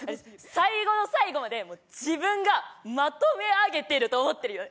最後の最後まで自分がまとめ上げてると思ってるよね。